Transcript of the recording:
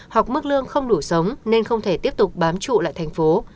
hoặc mức lương không đủ sống nên không thể tiếp tục bám trụ lại thành phố